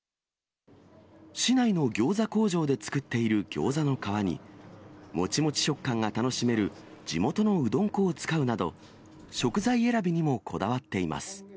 市内の餃子工場で作っている餃子の皮に、もちもち食感が楽しめる地元のうどん粉を使うなど、食材選びにもこだわっています。